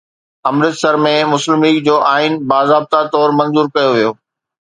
امرتسر ۾ مسلم ليگ جو آئين باضابطه طور منظور ڪيو ويو